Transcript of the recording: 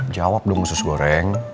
jawab dong usus goreng